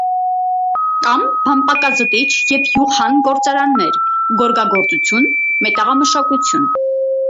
Կան բամպակազտիչ եւ իւղհան գործարաններ, գորգագործութիւն, մետաղամշակութիւն։